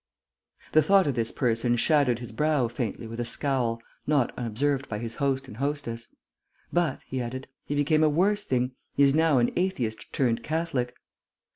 The thought of this person shadowed his brow faintly with a scowl, not unobserved by his host and hostess. "But," he added, "he became a worse thing; he is now an atheist turned Catholic...."